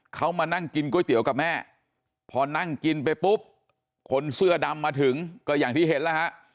เขามานั่งกินก๋วยเตี๋ยวกับแม่พอนั่งกินไปปุ๊บคนเสื้อดำมาถึงก็อย่างที่เห็นแล้วฮะ